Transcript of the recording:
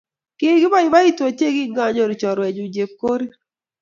Kikiboiboitu ochei kinganyoru chorwenyu chepkorir